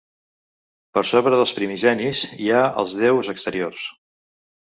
Per sobre dels Primigenis hi ha els déus Exteriors.